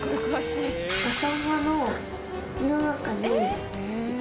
サンマの胃の中にいて。